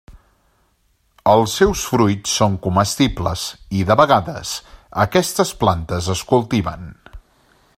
Els seus fruits són comestibles i de vegades aquestes plantes es cultiven.